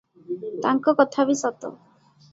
ତାଙ୍କ କଥା ବି ସତ ।